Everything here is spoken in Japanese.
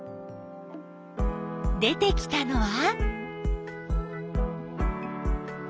出てきたのは？